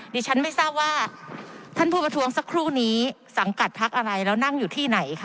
ดิฉันไม่ทราบว่าท่านผู้ประท้วงสักครู่นี้สังกัดพักอะไรแล้วนั่งอยู่ที่ไหนคะ